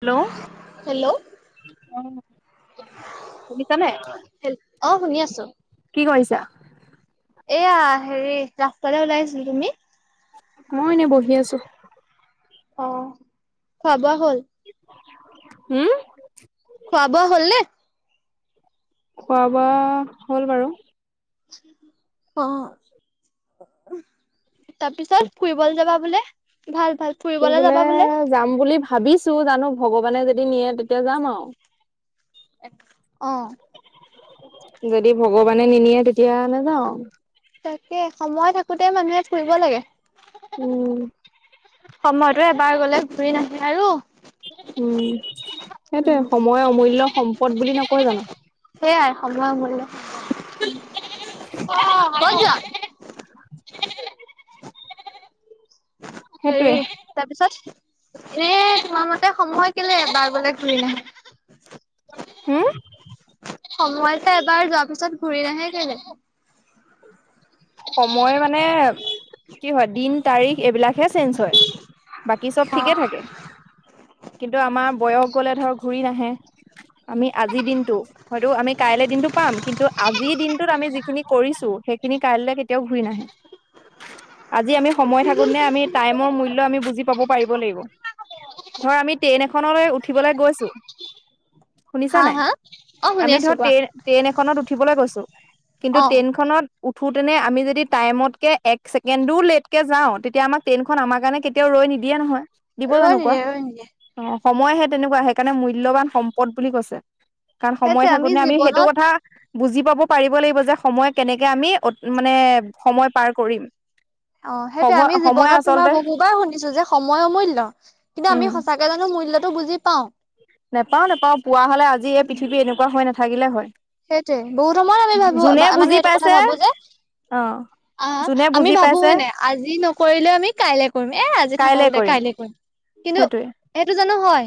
Hello অ hello শুনিছানে অ শুনি আছো কি কৰিছা এয়া হেৰি ৰাস্তালৈ ওলাই আহিছিলো তুমি মই এনেই বহি আছো অ খোৱা -বোৱা হ'ল? উম খোৱা -বোৱা হললে খোৱা -বোৱা হ'ল বাৰু অ তাৰ পিছত ফুৰিবলৈ যাবা বোলে ভাল ভাল ফুৰিবলৈ ফুইবোলে যাবা বোলে। যাম বুলি ভাবিছো জানো ভগৱানে যদি নিয়ে তেতিয়া যাম আও অ যদি ভগৱানে নিনিয়ে তেতিয়া নাযাওঁ তাকে সময় থাকোতে মানুহে ফুৰিব লাগে। উম সময়তো এবাৰ গলে ঘূৰি নাহে আৰু উম সেইটয়ে উম। সময় অমূল্্য সম্পদ বুলি নকয় জানো সেয়াই সময় মূল্য উম [unintelligible] ক'ত যোৱা? সেৰি সেইটোৱে তাৰপিছত এ তোমাৰ মতে সময় কেলে এবাৰ গোলে ফুৰিলে হম সময়তো এবাৰ যোৱাৰ পিছত ঘূৰি নাহে কেলৈ সময় মানে কি হয় দিন তাৰিখ এইবিলাকহে চেঞ্জ হয় বাকী চব অ। ঠিকে থাকে কিন্তু আমাৰ বয়স গলে ধৰ ঘূৰি নাহে আমি আজিৰ দিনটো হয়তটো আমি কাইলে দিনটো পাম কিন্তু আজিৰ দিনটোত আমি যিখিনি কৰিছো সেইখিনি কাইলৈ কেতিয়াও ঘূৰি নাহে আজি আমি সময় থাকো নে আমি টাইমৰ মূল্য আমি বুজি পাব পাৰিব লাগিব ধৰ আমি ট্ৰেইন এখনলৈ উঠিবলৈ গৈছো হা শুনিছা নাই হা অ শুনি আমি আছো ধৰ কোৱা তেৰ ট্ৰেইন এখনত উঠিবলৈ গৈছো কিন্তু অ ট্ৰেইনখনত উঠোতেনে আমি যদি টাইমতকে এক ছেকেণ্ডো লেটকে যাওঁ তেতিয়া আমাক ট্ৰেইনখন আমাৰ কাৰণে তেওঁ ৰৈ নিদিয়ে নহয় দিব ৰৈ জানু কুৱা নিদিয়ে ৰৈ নিদিয়ে অ সময়হে তেনেকুৱা সেইকাৰণে মূল্যবান সম্পদ বুলি কৈছে কাৰণ সময় সেইটোৱে থাকোতে আমি সেইটো জীৱনত কথা বুজি পাব পাৰিব লাগিব যে সময় কেনেকে আমি মানে সময় পাৰ কৰিম অ সেইটোয়ে সময় আমি সময় জীৱনত তোমাৰ আচলতে বহুবাৰ শুনিছো যে সময় অমূল্য কিন্তু উম আমি সঁচাক তে জানো মূল্যত বুজিাওঁ [unintelligible] নেপাওঁ নাপাওঁ পোৱা হ'লে আজি এই পৃথিৱী এনেকুৱা হৈ নাথাকিলে হয় সেইটোৱে বহুত সময়ত আমি ভাবো যোনে মানে বুজি এইটো কথা পাইছে ভাবো যে অ অ যোনে আমি বুজি ভাবো পাইছে হয় নাই আজি নকৰিলেও আমি কাইলে কৰিম এ আজি থাকক দে কাইলে কৰিম সেইটোৱে এইটো জানো হয়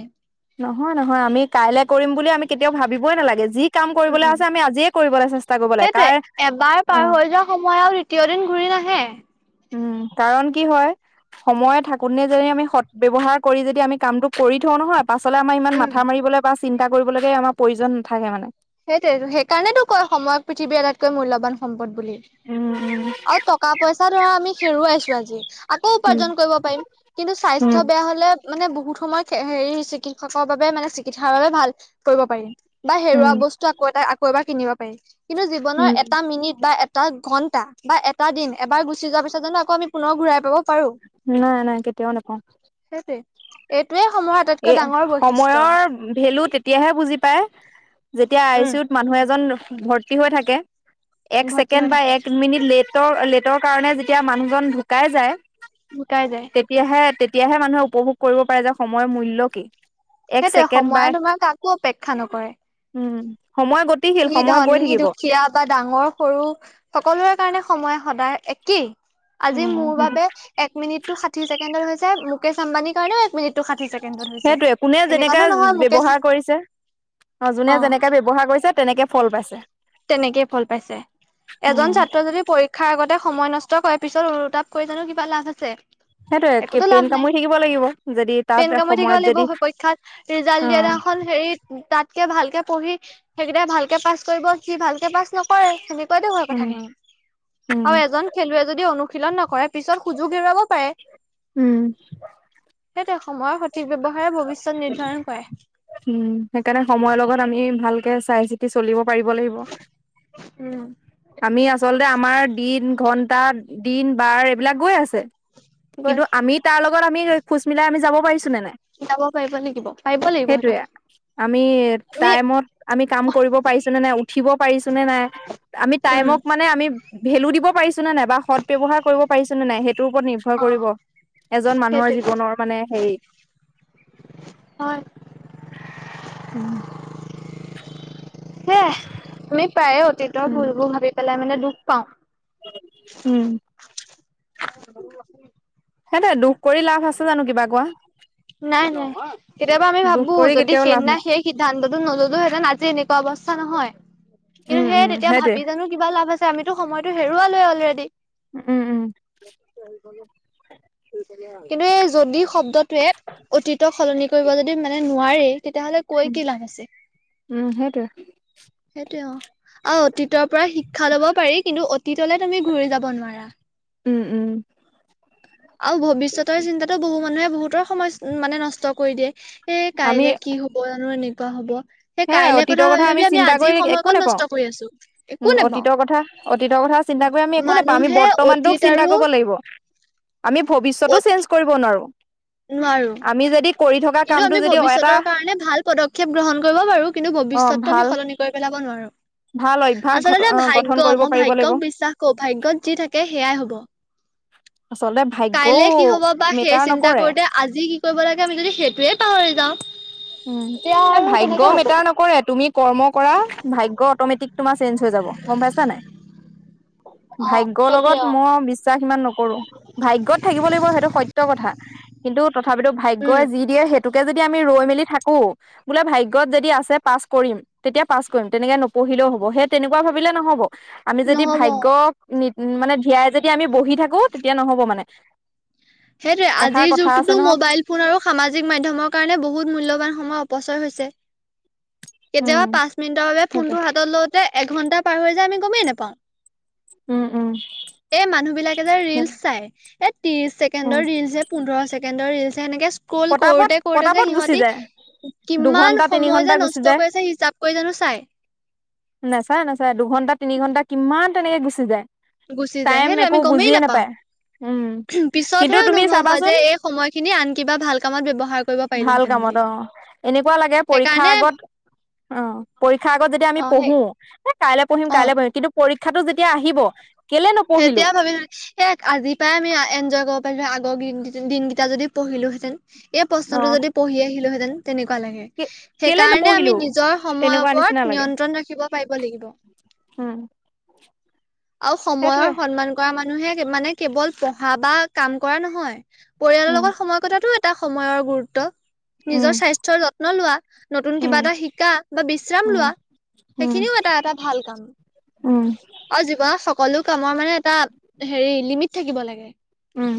নহয় নহয় আমি কাইলৈ কৰিম বুলি আমি কেতিয়াও ভাবিবই নালাগে যি কাম কৰিবলৈ উম আছে আমি আজিয়ে কৰিবলৈ চেষ্টা কৰিব লাগে সেইটোৱে কাৰ এবাৰ পাৰ অ হৈ সময় আৰু [unintelligible] দ্বিতীয় দিন ঘূৰি নাহে উম কাৰণ কি হয় সময়ে থাকোতে যদি আমি সৎ ব্যৱহাৰ কৰি যদি আমি কামটো কৰি থওঁ নহয় পাছলৈ আমাৰ ইমান উম মাথা মাৰিবলৈ বা চিন্তা কৰিবলৈগে আমাৰ প্ৰয়োজন নাথাকে মানে সেইটো সেইকাৰণেতো কয় সময়ক পৃথিৱীৰ আটাইতকৈ মূল্যবান সম্পদ বুলি উম আৰু টকা পইচা ধৰা আমি হেৰুৱাইছো আজি আকৌ উপাৰ্জন কৰিব পাৰিম কিন্তু স্বাস্থ্য উম বেয়া হলে মানে বহুত সময় হেৰি চিকিৎসকৰ বাবে মানে চিকিৎসাৰ বাবে ভাল কৰিব পাৰিম বা হেৰুৱা উম বস্তু আকৌ এ আকৌ এবাৰ কিনিব পাৰি কিন্তু জীৱনৰ এটা উম মিনিট বা এটা ঘণ্টা বা এটা দিন এবাৰ গুচি যোৱাৰ পিছত জানো আকৌ আমি পুনৰ ঘূৰাই পাব পাৰো নাই নাই কেতিয়াও নোপাওঁ সেইটোৱে এইটোৱেই সমহৰ আটাইতকৈ এই ডাঙৰ বৈশিষ্ট্য সময়ৰ ভেলু তেতিয়াহে বুজি পায় যেতিয়া আই উম চি ইউত মানুহ এজন ভৰ্তি হৈ থাকে এক ভৰ্তি ছেকেণ্ড হৈ বা থাকে এক মিনিট লেটৰ লেটৰ কাৰণে যেতিয়া মানুহজন ঢুকাই যায় গুকাই যায় [unintelligible] তেতিয়াহে তেতিয়াহে মানুহে উপভোগ কৰিব পাৰে যে সময়ৰ মূল্য কি এক সেইটোৱে ছেকেণ্ড বা সময়ে তোমাক কাকো অপেক্ষা নকৰে উম সময় গতিশীল সি সময় গৈ ধনী থাকিব দুখীয়া বা ডাঙৰ সৰু সকলোৰে কাৰণে সময় সদায় একেই আজি উম মোৰ বাবে এক মিনি টো ষাঠি ছেকেণ্ড হৈছে মুকেশম্বানীৰ কাৰণেও এক মিনিট ষাঠি ছেকেণ্ডত হৈছে সেইটোৱে কোনে এনেকুৱাতো যেনেকৈ নহয় মুকেশ ব্যৱহাৰ কৰিছে অ যোনে যেনেকৈ ব্যৱহাৰ কৰিছে তেনেকৈ ফল পাইছে তেনেকেই ফল পাইছে এজন উম ছাত্ৰ যদি পৰ শ্ষাৰ আগতে সময় নষ্ট কৰাৰ পিছত উতাপ কৰি জানো কিবা লাভ আছে সেইটোৱে একোতো পেইন লাভ নাই কামুৰি থাকিব লাগিব যদি তাত পেন কামুৰি থাকিব সময়ত লাগিব যদি পৰীক্ষাত ৰিজাল্ট অ দিয়া এনাখন হেৰি তাতকে ভালকে পঢ়ি সেইকেইটাই ভালকে পাছ কৰিব সি ভালকে পাছ ন কৰে সেনেকুৱাই দে হয় উম কথাখিনি উম আৰু এজন খেলুৱৈ যদি অনুশীলন নকৰে পিছত সুযোগ হেৰুৱাব পাৰে উম সেইহতে সময়ৰ সঠিক ব্য্ৱহাৰে ভৱিষ্যত নিৰ্ধাৰণ কৰে উম সেইকাৰণে সময়ৰ লগত আমি ভালকে চাই চিতি চলিব পাৰিব লাগিব উম, [unintelligible] আমি আচলতে আমাৰ দিন ঘন্টা দিন বাৰ এইবিলাক গৈ আছে গৈ কিন্তু আছে। আমি তাৰ লগত আমি খোজ মিলাই আমি যাব পাৰিছো নে নাই যাব পাৰিব নেকি বু সেইটোৱে আমি আমি টাইমত আমি কাম কৰিব পাৰিছো নে নাই উঠিব পাৰিছো নে নাই আমি উম, টাইমক মানে আমি ভেলু দিব পাৰিছ নাই বা সৎ্ ব্যৱহাৰ কৰিব পাৰিছ নে নাই সেইটোৰ ওপৰত নি খয় কৰিব অ', এজন মানুহৰ সেইটোৱে জীৱনৰ মানে হেৰি অ উম হ তুমি প্ৰায়ে অতীতৰ উম ফুলবোৰ ভাবি পেলাই মানে দুখ পাও উম আ হতে দুখ কৰি লাভ আছে জানো কিবা কোৱা নাই নাই কেতিয়াবা আমি দুখ ভাবো কৰি যদি কেতিয়াও লাভ সেইদিনা নাই শেষ সিদ্ধান্ততটো নজলোহেতেন আজি এনেকুৱা অৱস্থা নহয় কিন্তু উম সেয় উম তেতিয়া সেইটোৱে ভাবি জানো কিবা লাভ আছে আমিতো সময়তো হেৰুৱালোৱে অলৰেডি উম উম কিন্তু এই যদি শব্দটোৱে অতীত সলনি কৰিব যদি মানে নোৱাৰাৰে তেতিয়াাহলে কৈ উম কি লাভ আছে উম সেইটোৱে সেইটোয় অ অ অতীতৰ পৰা শিক্ষা লব পাৰি কিন্তু অতীতলে তুমি ঘূৰি যাব নোৱাৰা উম উম আৰু ভৱিষ্যতৰ চিন্তা বহু মানুহে বহুতৰ সমস মানে নষ্ট কৰি দিয়ে এ আমি কাইলে কি হ বয়ানো এনেকুৱা হ'ব সেই সেয়াই কাইলে অতীতৰ কথা ভাবি ভাবি আমি চিন্তা কৰি আজিৰ একো সময়কণ নেপাওঁ নষ্ট কৰি আছো উম একো নাপাও অতীতৰ কথা অতীতৰ কথা চিন্তা কৰি আমি একো নাপাওঁ আমি বৰ্তমানটোক অতীত চিন্তা আৰু কৰিব লাগিব আমি ভৱিষ্যতো অত চেঞ্জ কৰিব নোৱাৰোঁ নোৱাৰো আমি যদি কৰি থকা কিন্তু কামটো আমি যদি এটা ভৱিষ্যতৰ কাৰণে ভাল পদক্ষেপ গ্ৰহণ কৰিব পাৰো কিন্তু অ' ভৱিষ্যতটো আমি ভাল সলনি কৰি পেলাব নোৱাৰো ভাল অভ্যাস ঘট আচলতে গঠন ভাগ্য় কৰিব মই পাৰিব লাগিব। ভাগ্য়ক বিশ্বাস কৰওঁ ভাগ্য়ত যি থাকে সেয়াই হব আচলতে কাইলে কি ভাগ্য়ও হব বা সেই মেটাৰ চিন্তা নকৰে কৰোতে আজি কি কৰিব লাগে আমি যদি সেইটোোৱে পাহৰি যাওঁ উম তেতিয়া এ আৰু ভাগ্য কেনেকে ম হব এটা নকৰে তুমি কৰ্ম কৰা ভাগ্য অটমেটিক তোমাৰ চেঞ্জ হৈ যাব গম পাইছা নাই ভাগ্যৰ লগত মই বিশ্বাস ইমান নকৰো ভাগ্যয়ত থাকিব লাগিব সেইটো সত্য় কথা কিন্তু তথাপিতো উম ভাগ্যয়ই যি দিয়ে সেইটোকে যদি আমি ৰৈ মেলি থাকো বোলে ভাগ্যয়ত যদি আছে পাছ কৰিম তেতিয়া পাছ কৰিম তেনেকে নপঢ়িলেও হব সেই তেনেকুৱা ভাবিলে নহ'ব আমি যদি নহব ভাগ্য মানে ধীয়াই যদি আমি বহি থাকো তেতিয়া নহব মানে সেইটোৱে এষাৰ আজিৰ কথা আছে যুগটোতো নহয় মোবাইল ফোন আৰু সামাজিক মাধ্যমৰ কাৰণে বহুত মূল্যৱান সময় অপচয় হৈছে উম কেতিয়াবা পাঁচ মিনিটৰ বাবে সেইটোৱে ফোনটো হাতত লওঁতে এঘন্টা পাৰ হৈ যায় আমি গমেই উম উম নেপাওঁ এ মানুহ বিলাক এটা ৰিলচ সেইটোৱে চাই এ ত্ৰিশ উম। ছেকেণ্ডৰ ৰিলচ যে পোন্ধৰ ছেকেণ্ডৰ ৰিলচ সেনেকে স্ক্ৰল পতাপত কৰোতে কৰোতে যে পতাপত গুচি সিহঁতি যায় কিমান দুঘন্টা তিনি সময় যে ঘন্টা গুচি নষ্ট যায়। কৰিছে হিচাপ কৰি জানো চাই নাচায় নাচাই দুঘণ্টা তিনি ঘণ্টা কিমান তেনেকে গুচি যায় গুচি যায় টাইম সেইটো একো আমি গমেই বুজিয়ে নাপাওঁ নাপায় উম কিন্তু তুমি চাবাচোন সময় খিনি আন কিবা ভাল কামত ব্যৱহাৰ কৰিব ভাল পাৰিলোহেঁতেন বুলি কামত অ এনেকুৱা লাগে পৰীক্ষা সেইকাৰণে আগত অ পৰীক্ষা আগত যদি আমি অ সেই পঢ়ো কাইলে পঢ়িম অ কাইলৈ পঢ়িম কিন্তু পৰীক্ষাটো যেতিয়া আহিব কেলে নপঢ়িলো সতিয়া ভাবি সেই আজি পৰাই আমি এনজয় কৰিব পাৰিলোঁ আগৰ দিনকেইটা যদি পঢ়িলোহেঁতেন এই অ প্ৰশ্নতটো যদি পঢ়ি আহিলোহেতেন তেনেকুৱা লাগে কে সেই কেলে কাৰণে নপঢ়িলো আমি নিজৰ সময়ৰ তেনেকুৱা নিচিনা ওপৰত লাগে নিয়ন্ত্ৰণ ৰাখিব পাৰিব লাগিব উম আৰু সেইটোৱে সময়ৰ সন্মান কৰা মানুহে মানে কেৱল পঢ়া বা কাম কৰা নহয়। পৰিয়ালৰ উম লগত সময় কটোৱাটো এটা সময়ৰ গুৰুত্ব। উম নিজৰ স্বাস্থ্যৰ যত্ন লোৱা, নতুন উম কিবা এটা শিকা বা বিশ্ৰাম উম লোৱা। উম সেইখিনিও এটা এটা ভাল কাম। উম। অ' জীৱৰ সকলো কামৰ মানে এটা হেৰি লিমিট থাকিব লাগে। উম।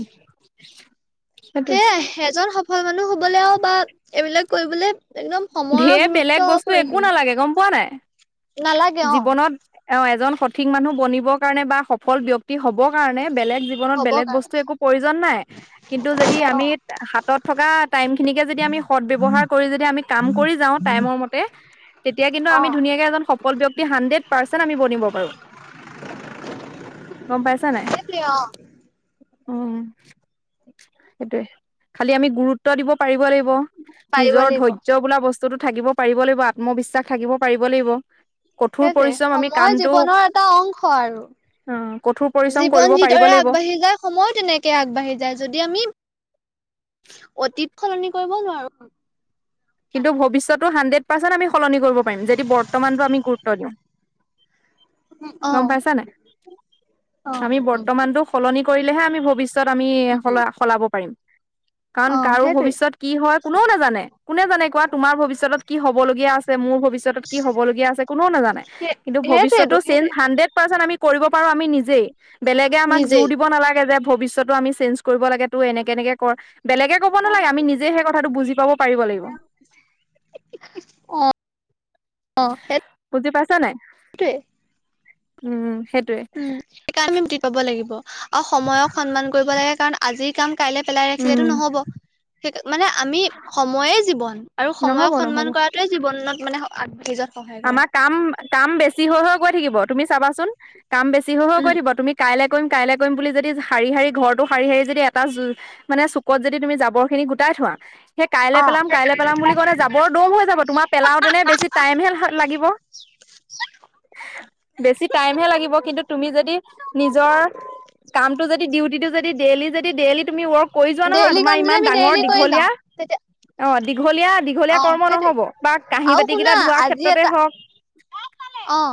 সেইটোৱে সেয়াই এজন সফল মানুহ হ'বলৈও বা এইবিলাক কৰিবলৈ একদম সময়ৰ ঢেৰ গুৰুত্ব বেলেগ বস্তু একো অপৰিসীম নালাগে গম পোৱা নাই? নালাগে অ'। জীৱনত অ' এজন সঠিক মানুহ বনিবৰ কাৰণে বা সফল ব্যক্তি হ'বৰ কাৰণে বেলেগ জীৱনত হ'ব বেলেগ কাৰণে বস্তু একো প্ৰয়োজন নাই। কিন্তু যদি আমি অ', হাতত থকা টাইমখিনিকে যদি আমি সদব্যৱহাৰ কৰি যদি আমি কাম কৰি যাওঁ টাইমৰ মতে তেতিয়া কিন্তু আমি অ', ধুনীয়াকে এজন সফল ব্যক্তি হাণ্ড্ৰেড পাৰ্চেণ্ট আমি বনিব পাৰো। গ'ম পাইছা নাই? সেইটোৱে অ'। উম, সেইটোৱে। খালি আমি গুৰুত্ব দিব পাৰিব লাগিব। পাৰিব নিজৰ লাগিব। ধৈৰ্য বোলা বস্তুটো থাকিব পাৰিব লাগিব, আত্মবিশ্বাস থাকিব পাৰিব লাগিব। কঠোৰ সেইটোৱে, পৰিশ্ৰম আমি সময় কামটো জীৱনৰ এটা অংশ আৰু। অ কঠোৰ পৰিশ্ৰম কৰিব জীৱন পাৰিব যিদৰে লাগিব আগবাঢ়ি যা সময় তেনেকে আগবাঢ়ি যায় যদি আমি অতিত সলনি কৰিব নোৱাৰো। কিন্তু ভৱিষ্যতো হাণ্ডৰেড পাৰ্চেণ্ট আমি সলনি কৰিব পাৰিম যদি বৰ্তমানটো আমি গুৰুত্ব দিওঁ। [inaudible] গম অ', পাইছা নাই? অ', আমি বৰ্তমানতটো সলনি কৰিলেহে আমি ভৱিষ্যত আমি সল- সলাব পাৰিম। কাৰণ অ', কাৰো সেইটোৱে। ভৱিষ্যয়ত কি হয় কোনেও নাজানে। কোনে জানে কোৱা তোমাৰ ভৱিষ্যত কি হবলগীয়া আছে, মোৰ ভৱিষ্যত তত কি হ'ব লগীয়া আছে কনেও নাজানে সেই কিন্তু ভৱিষ্যতটো সেইটোৱেটো চেঞ্জেজ সেইটোৱে। হাণ্ডৰেড পাৰচেন আমি কৰিব পাৰো আমি নিজেই, বেলেগে আমাক জোৰ নিজেই দিব নালাগে যে ভৱিষ চেঞ্জেজ কৰিব লাগে তোৰ এনেক এনেকে কৰ, বেলেগে ক'ব নালাগে আমি নিজে সেইটো বুজ পাব পাব লাগিব। অ', অ' সেই বুজি পাইছা নাই? উম, সেইটোৱে। সেইকাৰনে আমিতি পাব লাগিব আৰু সময়ক সন্মান কৰিব লাগে কাৰণ আজি কাম কাইলৈ পেলাই উম ৰাখিলেটো নহ'ব। সেই মানে আমি সময়ে জীৱন আৰু সময়ক নহ'ব সন্মান নহ'ব কৰাটোৱেই জীৱনত মানে আগবাঢ়ি য আমাৰ কাম কাম বেছি হৈ হৈ গৈ থাকিব, তুমি চাবাচোন কাম বেছি হৈ হৈ গৈ উম, থাকিব, তুমি কাইলৈ কৰিম, কাইলৈ কৰিম বুলি যদি শাৰী শাৰী ঘৰটো শাৰী শাৰী যদি এটা যু মানে চুকত যদি তুমি জাবৰখিনি গোটাই থোৱা সেই কাইলৈ অ', পেলাম কাইলৈ পেলাম বুলি ক'লে জাবৰ দং হৈ যাব, তোমাৰ পেলাওতেনে বেছি টাইমহে লাগিব। বেছি টাইমহে লাগিব কিন্তু তুমি যদি নিজৰ কামটো যদি ডিউটিটো যদি ডেইলি যদি ডেইলি তুমি অৰ্ক কৰি যোৱা নহয় ডেইলি কাম তোমাৰ যদি ইমান আমি ডাঙৰ ডেইলি কৰি দীঘলীয়া, যাওঁ তেতিয়া অ' দীঘলীয়া দীঘলীয়া অ কৰ্ম সেইটোৱে নহ'ব বা কাঁহী আৰু শুনা বাতিকেইটা ধোৱাৰ আজি ক্ষেত্ৰতে এটা হওক অ'।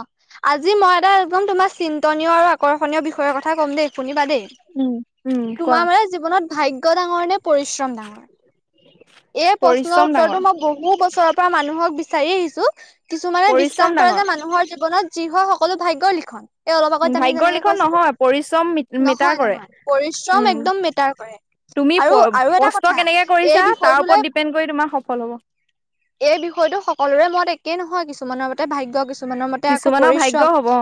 আজি মই এটা একদম তোমাৰ চিন্তনীয় আৰু আকৰ্ষণীয় বিষয়ৰ কথা ক'ম দেই, শুনিবা দেই। উম, উম, কোৱা? তোমাৰ মানে জীৱনত ভাগ্য ডাঙৰ নে পৰিশ্ৰম ডাঙৰ, এই প্ৰশ্ন পৰিশ্ৰম ডাঙৰ বহু বছৰৰপৰা মানুহক বিচাৰি আহিছোঁ, কিছুমানে বিশ্বাস পৰিশ্ৰম কৰা ডাঙৰ যে মানুহৰ জীৱনত যি হয়, সকলো ভাগ্যৰ লিখন। এই অলপ আগত আমি ভাগ্যৰ তেনেকে লিখন কৈছিলো, নহয় পৰিশ্ৰম মিটাৰ নহয় কৰে নহয় পৰিশ্ৰম উম একদম মেটাৰ কৰে। তুমি আৰু আৰু এটা কথা এই বিষয়টোলৈ। ন, কৰি তোৰ সফল হ'ব। এই বিষয়টো সকলোৰে মত একেই নহয় কিছুমানৰ মতে ভাগ্য কিছু। কিছুমানৰ মতে আকৌ কিছুমানৰ ভাগ্য পৰিশ্ৰম। হব অ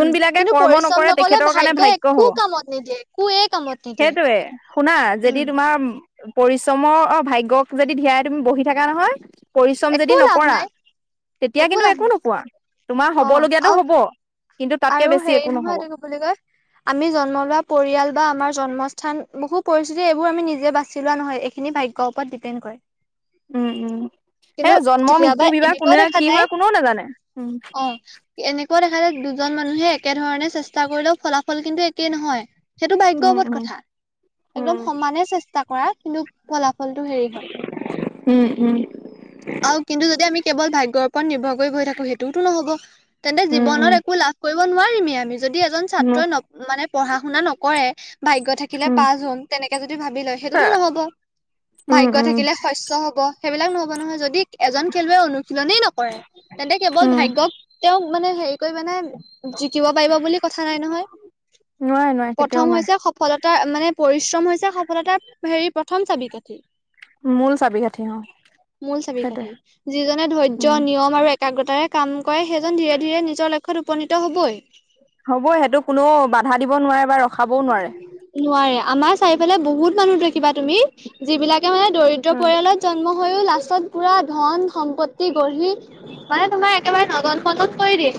উম, কিন্তু কৰ্ম পৰিশ্ৰম নকৰে নকলে তেখেতৰ কাৰণে ভাগ্য়ই একো কামত নিদিয়ে একোৱে কামত। নিদিয়ে সেইটোৱে শুনা, উম যদি তোমাৰ। পৰিশ্ৰমৰ অ, ভাগ্যয়ক যদি ধিয়াই তুমি বহি থাকা নহয়। পৰিশ্ৰম যদি একো লাভ নকৰা নাই তেতিয়া কিন্তু লাভ একো নাই নকোৱা তোমাৰ হ'ব অ লগগীয়াতো আৰু হ'ব। কিন্তু তাতকে বেছি একো নহ'ব। বুলিলে ক আমি জন্ম লোৱা পৰিয়াল বা আমাৰ জন্মস্থান বহু পৰিস্থিতি এইবোৰ আমি নিজে বাছি লোৱা নহয়, এইখিনি ভাগ্য পথ, ডিপেণ্ড কৰে। উম, উম, হে কিন্তু জন্ম কেতিয়াবা মৃত্যু বিবাহ এনেকুৱাও কোনে দেখা কি হয়, কোনেও নাজানে উম, এনেকুৱা দেখা যায় দুজন মানুহে একেধৰণে চেষ্টা কৰিলেও ফলা ফল কিন্তু একেই নহয়, সেইটো উম ভাগ্যৱোধ উম কথা একদম সমানে চেষ্টা কৰা। কিন্তু ফলাফলটো হেৰি হয, উম উম আৰ কিন্তু যদি আমি কেৱল ভাগ্যৰ ওপৰত নিৰ্ভৰ কৰি বহি থাকোঁ সেইটোওতো নহ'ব, তেন্তে উম উম জীৱনত এ একো লাভ কৰিব নোৱাৰিমেই, আমি যদি এজন উম ছাত্ৰই ন মানে পঢ়া শুনা নকৰে। ভাগ্য থাকিলে উম পাছ হম, তেনেকে যদি ভাবি লয় সেইটোতো নহ'ব। উম ভাগ্য উম থাকিলে শস্য হ'ব সেইবিলাক নহ'ব নহয় যদি এজন খেলুৱৈ অনুশীলনেই নকৰে। তেন্তে কেৱল উম ভাগ্যয়ক তেওঁক মানে হেৰি। মানে জিকিব পাৰিব বুলি কথা নাই নহয় নোৱাৰে নোৱাৰে কেতিয়াও প্ৰথম। নোৱাৰে সফলতা মানে পৰিশ্ৰম হৈছে সফলতাৰ হেৰি প্ৰথম চাবি কাঠি। মূল চাবি কাঠি অ মূল চাবি সেইটোৱে কাঠি যিজনে ধৈৰ্য্য উম নিয়ম আৰু এ একাগ্ৰতাৰে কাম কৰে সেইজন ধীৰে ধীৰে নিজৰ লক্ষ্যত উপনীত হ'বই। হ'ব সেইটো কোনেও বাধা দিব নোৱাৰে বা ৰখাবও নোৱাৰে। নোৱাৰে আমাৰ চাৰিফালে বহুত মানুহ দেখিবা তুমি যিবিলাকে মানে দৰিদ্ৰ উম পৰিয়ালত। জন্ম হৈয়ো লাষ্টত পুৰা ধন সম্পত্তি গঢ়ি। মানে তোমাক একেবাৰে নগন পগন কৈ দিয়।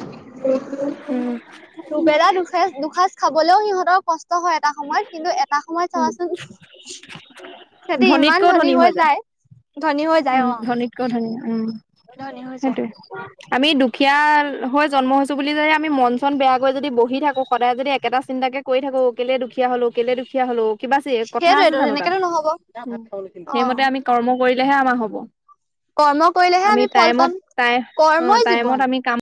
উম দুবেলা দুসজ, দুসাঁজ খাবলৈও সিহঁতৰ কষ্ট হয় এটা সময়ত। কিন্তু এটা সময় উম চাবচোন সিহতি ইমান ধনী হৈ যায়। ধনী হয় উম, ধনীতকেও ধনী উম, ধনী হৈ যায়। সেইটোৱে। আমি দুখীয়া হৈ জন্ম হৈছো বুলি যদি আমি মন চন বেয়াকৈ যদি বহি থাকো, সদায় যদি একেটা চিন্তাকে কৈ থাকো কেলে দুখীয়া হ'লো কেলে দুখীয়া হ'লো। কিবা চ, কথা আছে সেইটোৱেতো জানো তাত তেনেকেতো নহ'ব সেইমতে অ'। আমি কৰ্ম কৰিলেহে আমাৰ। হ'ব কৰ্ম কৰিলেহে আমি ফল টাইমত পাম আমি কৰ্মই টাইমত জীৱন। কৰি।